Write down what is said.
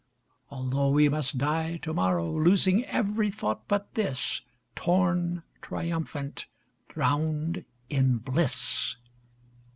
Although we must die to morrow, Losing every thought but this; Torn, triumphant, drowned in bliss.